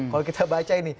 kalau kita baca ini